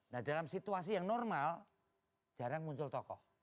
nah dalam situasi yang normal jarang muncul tokoh